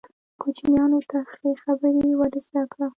کوچنیانو ته ښې خبرې ور زده کړه.